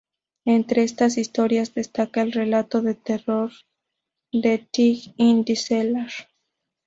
Entre estas historias destaca el relato de terror "The Thing In The Cellar".